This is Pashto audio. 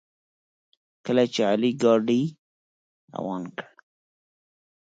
کله چې علي ګاډي روان کړ.